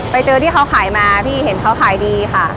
ไปเจอที่เขาขายมาพี่เห็นเขาขายดีค่ะ